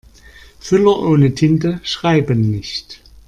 Füller ohne Tinte schreiben nicht.